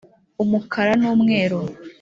umukara n'umweru